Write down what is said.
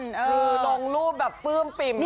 คือลงรูปแบบปลื้มปิ่ม